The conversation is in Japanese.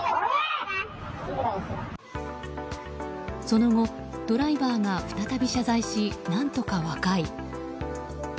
その後、ドライバーが再び謝罪し何とか和解。